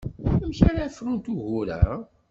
Amek ara frunt ugur-a?